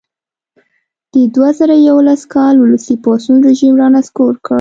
د دوه زره یوولس کال ولسي پاڅون رژیم را نسکور کړ.